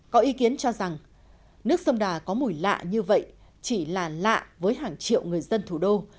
có ý kiến cho rằng nước sông đà có mùi lạ như vậy chỉ là lạ với hàng triệu người dân thủ đô